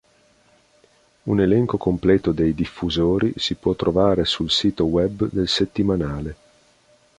Un elenco completo dei diffusori si può trovare sul sito web del settimanale.